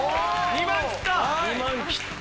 ２万切った！